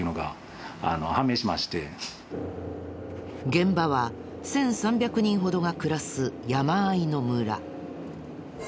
現場は１３００人ほどが暮らす山あいの村。